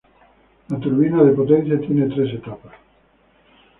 La turbina de potencia tiene tres etapas.